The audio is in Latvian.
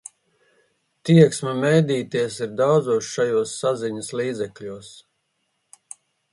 Tieksme mēdīties ir daudzos šajos saziņas līdzekļos.